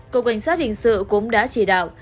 cục cảnh sát hình sự cũng đã chỉ đạo